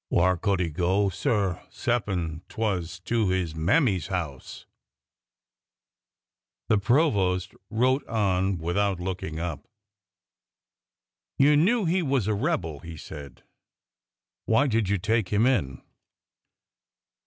Whar could he go, sir, 'cep'n' 't was to his mammy's house ?" The provost wrote on without looking up. You knew he was a rebel," he said. Why did you take him in